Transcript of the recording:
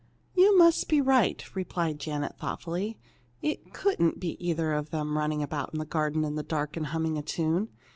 "You must be right," replied Janet, thoughtfully. "It couldn't be either of them running about in the garden in the dark and humming a tune.